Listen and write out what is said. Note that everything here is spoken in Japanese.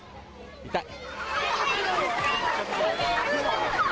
痛い！